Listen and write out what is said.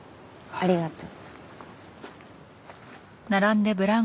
ありがとう。